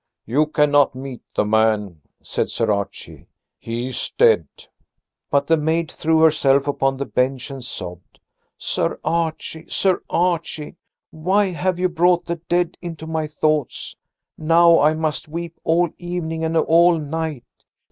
"You cannot meet the man," said Sir Archie. "He is dead." But the maid threw herself upon the bench and sobbed. "Sir Archie, Sir Archie, why have you brought the dead into my thoughts? Now I must weep all evening and all night.